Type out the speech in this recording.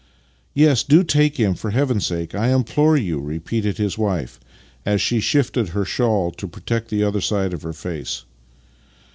" Yes, do take him, for heaven's sake, I implore you," repeated his wife as she shifted her shawl to protect the other side of her face.